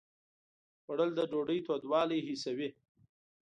خوړل د ډوډۍ تودوالی حسوي